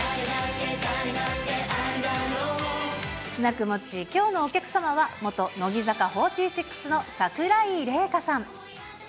スナックモッチー、きょうのお客様は、元乃木坂４６の桜井玲香さん。